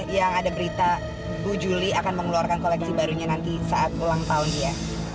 yang ada berita bu juli akan mengeluarkan koleksi barunya nanti saat ulang tahun ya